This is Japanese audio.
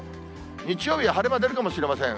日曜日は晴れ間出るかもしれません。